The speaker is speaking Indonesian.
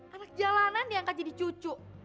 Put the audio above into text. anak jalanan diangkat jadi cucu